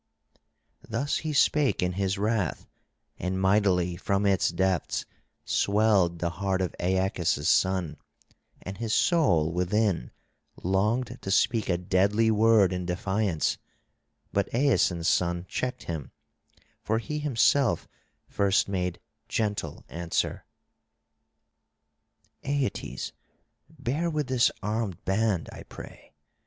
Thus he spake in his wrath; and mightily from its depths swelled the heart of Aeacus' son, and his soul within longed to speak a deadly word in defiance, but Aeson's son checked him, for he himself first made gentle answer: "Aeetes, bear with this armed band, I pray.